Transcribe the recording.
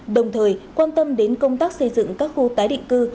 đồng thời quan tâm đến công tác xây dựng các khu tái định cư